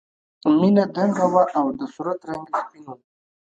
مینه دنګه وه او د صورت رنګ یې سپین و